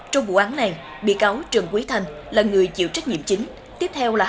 trong vụ án này bị cáo trần quý thanh là người chịu trách nhiệm chính